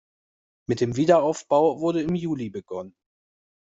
Mit dem Wiederaufbau wurde im Juli begonnen.